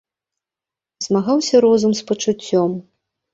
Змагаўся розум з пачуццём.